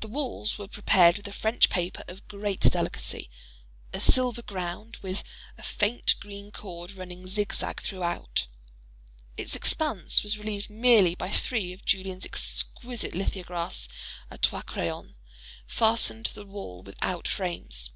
The walls were prepared with a French paper of great delicacy, a silver ground, with a faint green cord running zig zag throughout. Its expanse was relieved merely by three of Julien's exquisite lithographs a trois crayons, fastened to the wall without frames.